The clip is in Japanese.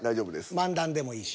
漫談でもいいし。